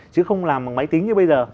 chứ không làm bằng máy tính như bây giờ